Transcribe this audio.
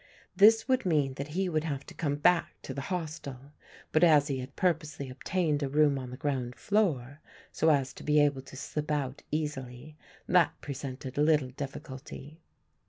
This would mean that he would have to come back to the hostel, but as he had purposely obtained a room on the ground floor so as to be able to slip out easily, that presented little difficulty.